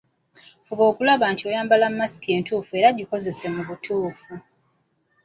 Fuba okulaba nti oyambala masiki entuufu era gikozese mu butuufu.